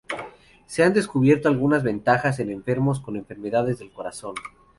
Se han descubierto algunas ventajas en enfermos con enfermedades de corazón.